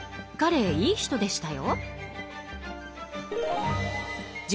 彼もいい人でしたよ。